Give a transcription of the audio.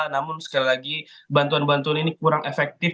namun sekali lagi bantuan bantuan ini kurang efektif